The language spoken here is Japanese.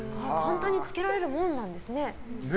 つけられるものなんですね。